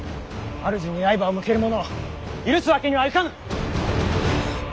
主に刃を向ける者を許すわけにはいかぬ！